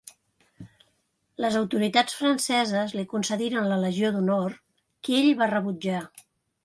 Les autoritats franceses li concediren la Legió d'Honor, que ell va rebutjar.